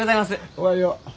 おはよう。